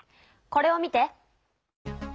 これを見て。